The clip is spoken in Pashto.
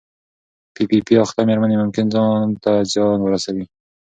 پی پي پي اخته مېرمنې ممکن ځان ته زیان ورسوي.